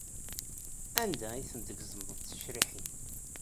Anda ay ten-tgezmeḍ d ticriḥin?